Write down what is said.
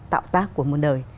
tạo tác của một đời